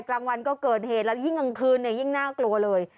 กลางวันก็เกิดเหตุแล้วยิ่งกลางคืนเนี่ยยิ่งน่ากลัวเลย